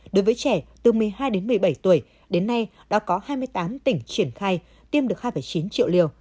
đối với trẻ từ một mươi hai đến một mươi bảy tuổi đến nay đã có hai mươi tám tỉnh triển khai tiêm được hai chín triệu liều